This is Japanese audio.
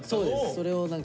それを何か。